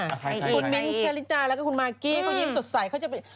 คุณมิ้นท์ชาลิตาแล้วก็คุณมากกี้เขายิ้มสดใสเขาจะไป